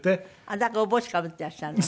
だからお帽子かぶっていらっしゃるのね。